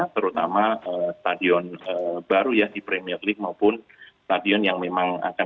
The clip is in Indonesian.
terutama stadion baru ya di premier league maupun stadion yang memang akan